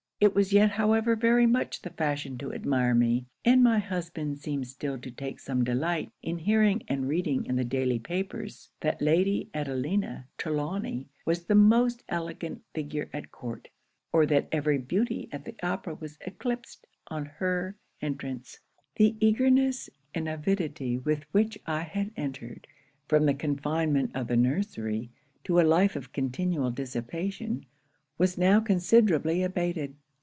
It was yet however very much the fashion to admire me; and my husband seemed still to take some delight in hearing and reading in the daily papers that Lady Adelina Trelawny was the most elegant figure at Court, or that every beauty at the Opera was eclipsed on her entrance. The eagerness and avidity with which I had entered, from the confinement of the nursery, to a life of continual dissipation, was now considerably abated.